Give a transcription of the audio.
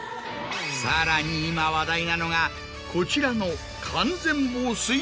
さらに今話題なのがこちらの。